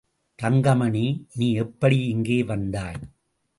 தங்கமணி, நீ எப்படி இங்கே வந்தாய்?